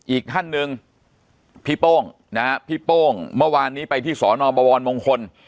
อีกท่านหนึ่งพี่โป้งนะฮะพี่โป้งเมื่อวานนี้ไปที่สอนอบวรมงคล